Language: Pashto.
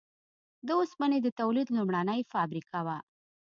د اوسپنې د تولید لومړنۍ فابریکه وه.